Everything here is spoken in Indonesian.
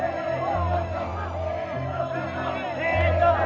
pak man pak man